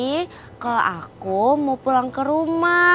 ihh kalo aku mau pulang ke rumah